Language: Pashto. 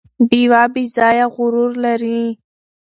ډیوه بې ځايه غرور لري